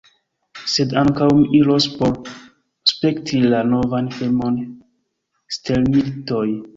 Sed ankaŭ mi iros por spekti la novan filmon, stelmilitoj